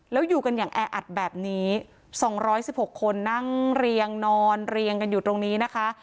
แล้วอยู่กันอย่างแออัดแบบนี้๒๑๖คนนั่งเรียงนอนเรียงกันอยู่ตรงนี้นะคะ